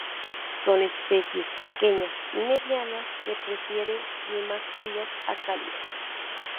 Son especies pequeñas y medianas, que prefiere climas fríos a cálidos.